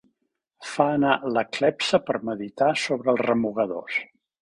Fa anar la clepsa per meditar sobre els remugadors.